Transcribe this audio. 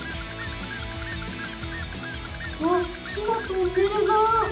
うわっ木のトンネルだ！